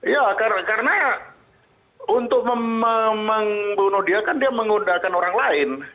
ya karena untuk membunuh dia kan dia menggunakan orang lain